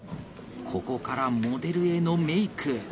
ここからモデルへのメイク。